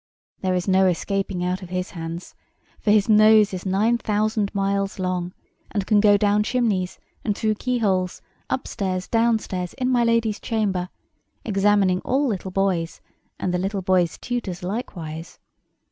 There is no escaping out of his hands, for his nose is nine thousand miles long, and can go down chimneys, and through keyholes, upstairs, downstairs, in my lady's chamber, examining all little boys, and the little boys' tutors likewise.